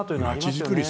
街づくり